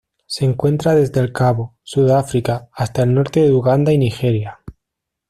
Se encuentra desde el Cabo, Sudáfrica, hasta el norte de Uganda y Nigeria.